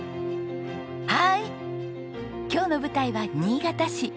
はーい今日の舞台は新潟市。